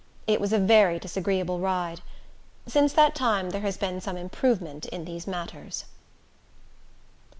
It was a very disagreeable ride. Since that time there has been some improvement in these matters.